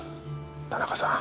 田中さん。